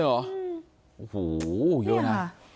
โอ้โหเยอะนะ